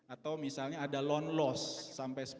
atau misalnya ada loan loss sampai sepuluh